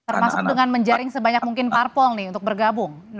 termasuk dengan menjaring sebanyak mungkin parpol nih untuk bergabung